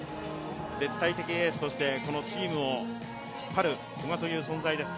絶対的エースとしてこのチームを引っ張る古賀という存在です。